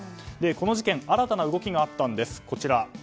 この事件新たな動きがあったんです。